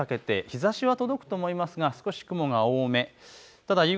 昼過ぎにかけて日ざしは届くと思いますが少し雲が多め。